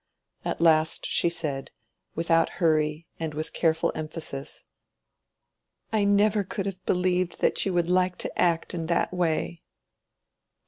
At last she said, without hurry and with careful emphasis— "I never could have believed that you would like to act in that way."